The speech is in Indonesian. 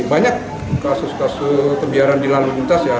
banyak kasus kasus pembiaran di lalu lintas ya